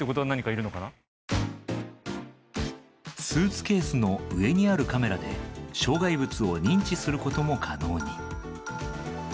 スーツケースの上にあるカメラで障害物を認知することも可能に。